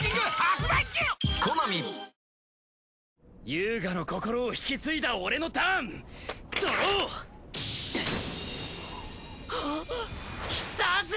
遊我の心を引き継いだ俺のターンドロー！あっ！来たぜ！